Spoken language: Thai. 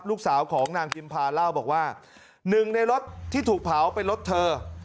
ลูกสาวของนางพิมพาเล่าบอกว่าหนึ่งในรถที่ถูกเผาเป็นรถเธอ